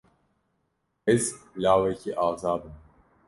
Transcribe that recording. Ez lawekî azad im.